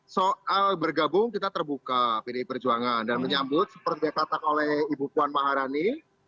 soal bergabung kita terbuka pdi perjuangan dan menyambut seperti yang katakan oleh ibu puan maharani